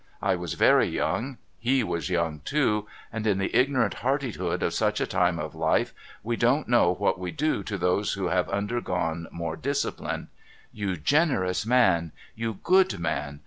I was very young, he was young too, and, in the ignorant hardihood of such a time of Ufe, we don't know v.'hat v»'e do to those who have undergone more disciphne. You generous man ! You good man